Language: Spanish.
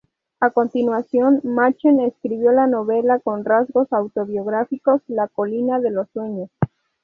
A continuación Machen escribió la novela con rasgos autobiográficos "La colina de los sueños".